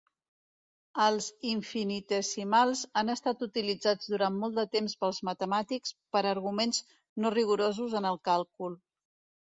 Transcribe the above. Els infinitesimals han estat utilitzats durant molt de temps pels matemàtics per arguments no rigorosos en el càlcul.